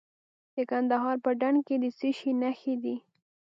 د کندهار په ډنډ کې د څه شي نښې دي؟